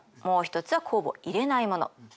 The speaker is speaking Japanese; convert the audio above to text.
もう一つは酵母を入れないもの。